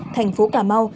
thành phố cà mau